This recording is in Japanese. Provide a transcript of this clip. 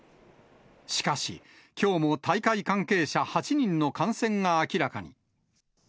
しかし、きょうも大会関係者８人の感染が明らかに。